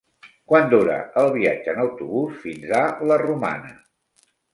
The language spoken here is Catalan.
Quant dura el viatge en autobús fins a la Romana?